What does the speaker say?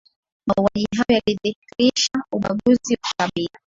mauaji hayo yalidhihirisha ubaguzi wa kikabila